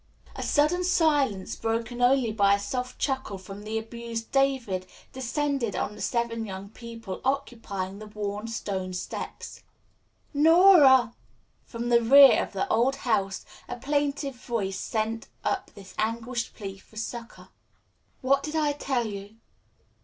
A sudden silence, broken only by a soft chuckle from the abused David, descended on the seven young people occupying the worn stone steps. "No ra!" From the rear of the old house a plaintive voice sent up this anguished plea for succor. "What did I tell you?"